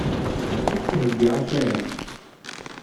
Ad ak-d-heyyiɣ akaram.